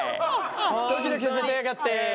ドキドキさせやがって。